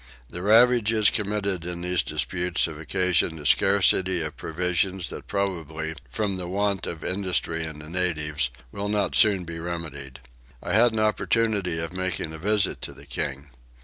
The ravages committed in these disputes have occasioned a scarcity of provisions that probably, from the want of industry in the natives, will not soon be remedied. I had an opportunity of making a visit to the king.